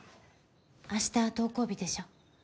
明日登校日でしょ？